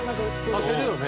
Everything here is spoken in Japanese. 挿せるよね？